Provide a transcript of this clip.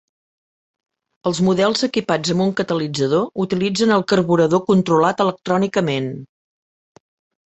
Els models equipats amb un catalitzador utilitzen el carburador controlat electrònicament.